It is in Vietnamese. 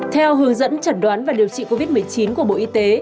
theo hướng dẫn chẩn đoán và điều trị covid một mươi chín của bộ y tế